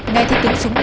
ngay khi tiếng súng